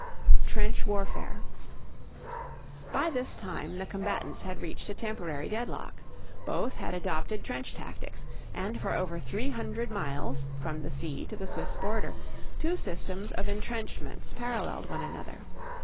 TRENCH WARFARE. By this time the combatants had reached a temporary deadlock. Both had adopted trench tactics, and for over three hundred miles, from the sea to the Swiss border, two systems of entrenchments paralleled one another.